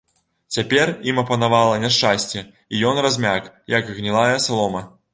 Цяпер ім апанавала няшчасце, і ён размяк, як гнілая салома.